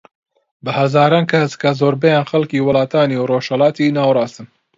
بە هەزاران کەس کە زۆربەیان خەڵکی وڵاتانی ڕۆژهەلاتی ناوەڕاستن